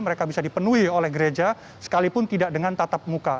mereka bisa dipenuhi oleh gereja sekalipun tidak dengan tatap muka